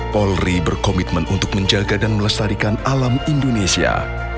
polri berkomitmen untuk menjaga dan melestarikan alam indonesia